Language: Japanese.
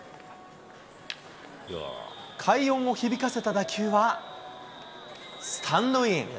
快音を響かせた打球は、スタンドイン。